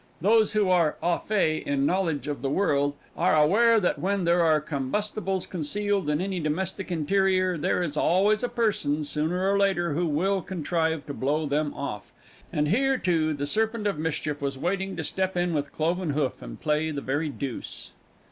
Those who are au fait in knowledge of the world are aware that when there are combustibles concealed in any domestic interior, there is always a person sooner or later who will contrive to blow them off; and here, too, the Serpent of Mischief was waiting to step in with cloven hoof and play the very deuce.